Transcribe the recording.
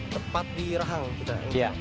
tepat di rahang kita